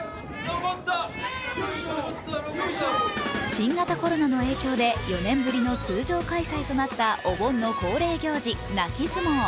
新型コロナの影響で４年ぶりの通常開催となったお盆の恒例行事、泣き相撲。